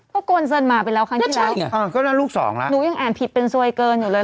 ก็โกนเซินหมาไปแล้วครั้งที่แรกใช่แรกน่ะอ๋อก็ลูกสองแล้วหนูยังผิดเป็นสวยเกินอยู่เลย